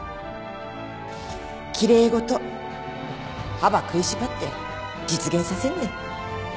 奇麗事歯ば食いしばって実現させんね。